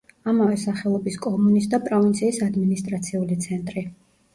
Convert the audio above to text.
ამავე სახელობის კომუნის და პროვინციის ადმინისტრაციული ცენტრი.